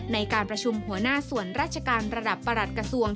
ในการประชุมหัวหน้าส่วนราชการระดับประหลัดกระทรวง